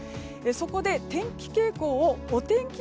そこで、天気傾向をお天気